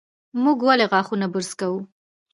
موږ ولې غاښونه برس کوو؟